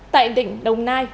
tại đỉnh đông nam